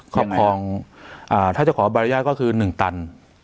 ครอบครองถ้าจะขอใบอนุญาตก็คือ๑ตัน